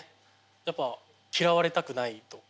やっぱ嫌われたくないとか。